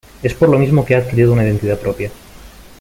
Es por lo mismo que ha adquirido una identidad propia.